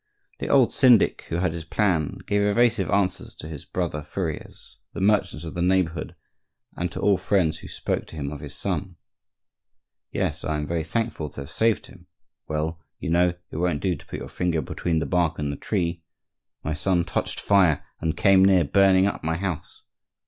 The old syndic, who had his plan, gave evasive answers to his brother furriers, the merchants of the neighborhood, and to all friends who spoke to him of his son: "Yes, I am very thankful to have saved him."—"Well, you know, it won't do to put your finger between the bark and the tree."—"My son touched fire and came near burning up my house."